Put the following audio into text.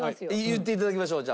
言って頂きましょうじゃあ。